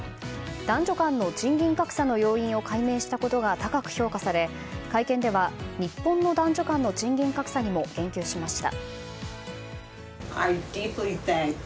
男女間の賃金格差の要因を解明したことが高く評価され会見では日本の男女間の賃金格差にも言及しました。